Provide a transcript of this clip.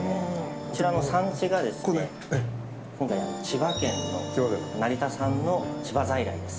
こちらの産地が千葉県の成田産の千葉在来です。